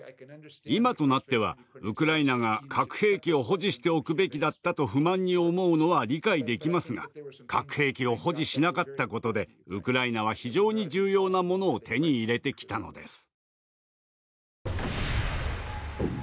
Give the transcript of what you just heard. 今となってはウクライナが「核兵器を保持しておくべきだった」と不満に思うのは理解できますが核兵器を保持しなかったことでウクライナは非常に重要なものを手に入れてきたのです。